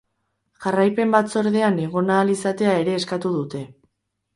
Jarraipen batzordean egon ahal izatea ere eskatu dute.